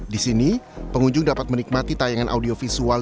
di sini pengunjung dapat menikmati tayangan audiovisual